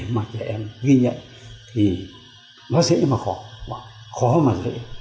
mà trẻ em ghi nhận thì nó dễ mà khó và khó mà dễ